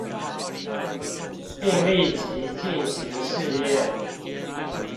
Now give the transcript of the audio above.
並立即進行試驗